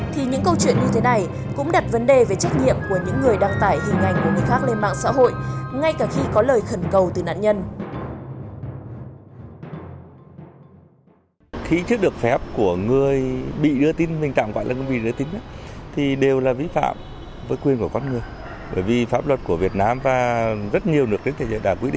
thì những câu chuyện như thế này cũng đặt vấn đề về trách nhiệm của những người đang tải hình ảnh của người khác lên mạng xã hội